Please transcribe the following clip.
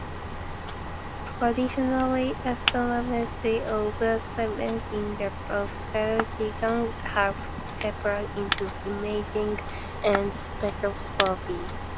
Traditionally astronomical observations in the optical region have separated into imaging and spectroscopy.